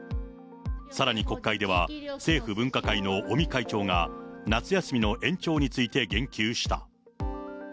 さらに国会では、政府分科会の尾身会長が、夏休みの延長について言及した。